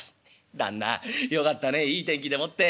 「旦那よかったねいい天気でもって。